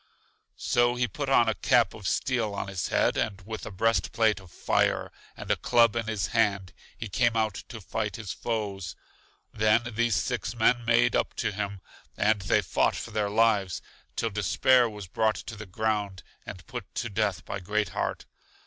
So he put a cap of steel on his head, and with a breast plate of fire, and a club in his hand, he came out to fight his foes. Then these six men made up to him, and they fought for their lives, till Despair was brought to the ground and put to death by Great heart.